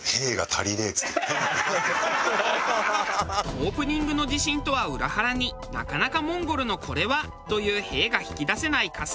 オープニングの自信とは裏腹になかなかモンゴルのこれは！という「へぇ」が引き出せない春日。